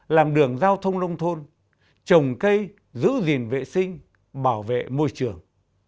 làm đường giao thông nông thôn trồng cây giữ gìn vệ sinh bảo vệ môi trường